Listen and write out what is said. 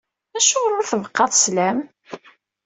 Acuɣer ur d-tbeqqaḍ sslam?